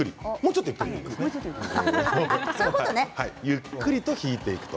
ゆっくりと引いていくと。